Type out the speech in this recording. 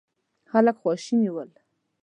خلک خواشيني ول.